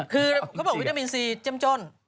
เค้าบอกไวตามินซีเจ็มจ้น